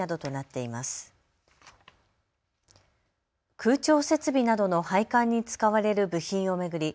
空調設備などの配管に使われる部品を巡り